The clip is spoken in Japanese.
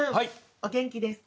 お元気ですか？